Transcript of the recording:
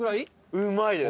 うまいです。